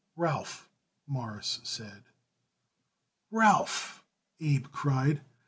"Ralph," Morris said. "Ralph!" Abe cried.